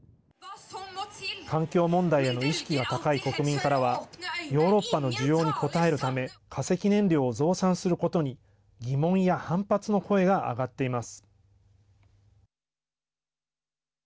環境問題への意識が高い国民からはヨーロッパの需要に応えるため化石燃料を増産することに疑問や反発の声が上がっています。